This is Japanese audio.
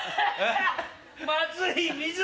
まずい水！